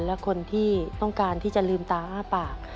และคนที่ต้องการที่จะลืมตาอ้าปาก